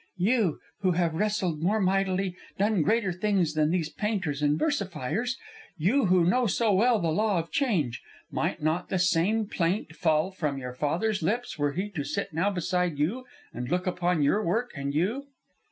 "You, who have wrestled more mightily, done greater things than these painters and versifiers. You who know so well the law of change. Might not the same plaint fall from your father's lips were he to sit now beside you and look upon your work and you?"